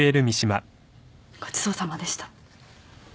ごちそうさまでした。